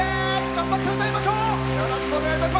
がんばって歌いましょう。